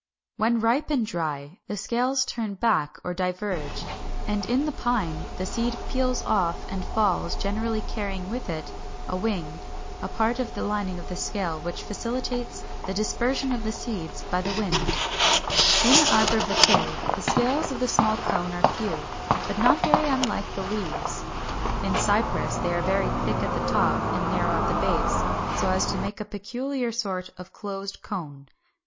When ripe and dry, the scales turn back or diverge, and in the Pine the seed peels off and falls, generally carrying with it a wing, a part of the lining of the scale, which facilitates the dispersion of the seeds by the wind (Fig. 412, 413). In Arbor Vitæ, the scales of the small cone are few, and not very unlike the leaves. In Cypress they are very thick at the top and narrow at the base, so as to make a peculiar sort of closed cone.